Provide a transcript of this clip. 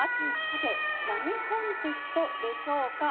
さて何コンテストでしょうか？